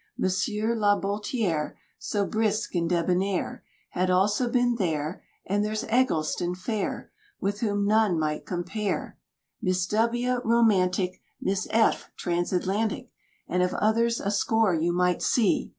Monsieur Laboltierre, So brisk and debonnair Had also been there; And there's Eggleston fair, With whom none might compare. Miss W , romantic, Miss F , transatlantic, And of others a score you might see.